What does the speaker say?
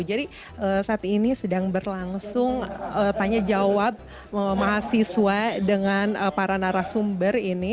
jadi saat ini sedang berlangsung tanya jawab mahasiswa dengan para narasumber ini